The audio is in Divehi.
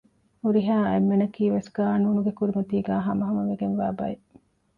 ހުރިހާ އެންމެންނަކީވެސް ޤާނޫނުގެ ކުރިމަތީގައި ހަމަހަމަވެގެންވާ ބައެއް